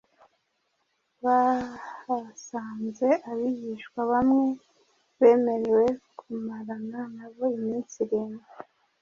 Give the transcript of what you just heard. bahasanze abigishwa bamwe bemerewe kumarana nabo iminsi irindwi.